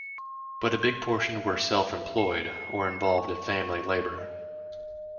But a big portion were self-employed or involved in family labour.